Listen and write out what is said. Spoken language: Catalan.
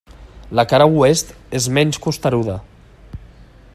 La cara oest és menys costeruda.